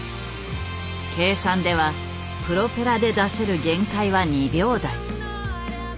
計算ではプロペラで出せる限界は２秒台。